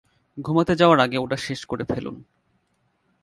ঘুমাতে যাওয়ার আগে ওটা শেষ করে ফেলুন।